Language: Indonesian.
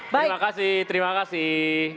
terima kasih terima kasih